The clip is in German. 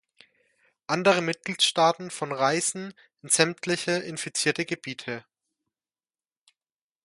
Andere Mitgliedstaaten von Reisen in sämtliche infizierte Gebiete.